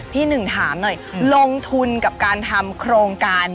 พี่หนึ่งถามหน่อยลงทุนกับการทำโครงการ